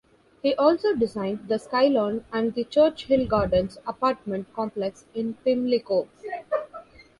He also designed the Skylon and the Churchill Gardens apartment complex in Pimlico.